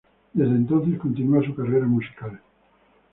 Desde entonces continúa su carrera musical.